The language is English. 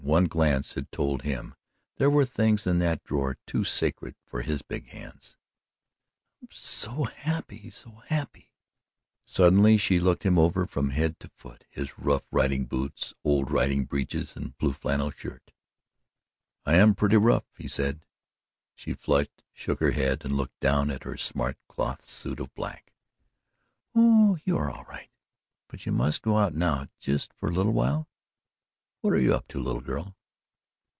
One glance had told him there were things in that drawer too sacred for his big hands. "I'm so happy so happy." Suddenly she looked him over from head to foot his rough riding boots, old riding breeches and blue flannel shirt. "I am pretty rough," he said. She flushed, shook her head and looked down at her smart cloth suit of black. "Oh, you are all right but you must go out now, just for a little while." "What are you up to, little girl?"